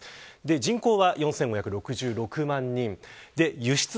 人口は４５６６万人。